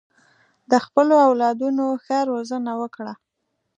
د خپلو اولادونو ښه روزنه وکړه.